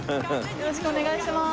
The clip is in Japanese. よろしくお願いします。